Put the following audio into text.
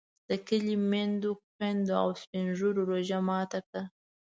د کلي میندو، خویندو او سپین ږیرو روژه ماته کړه.